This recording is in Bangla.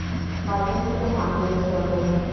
বাইবেল থেকে নাম দিয়েছি ওকে।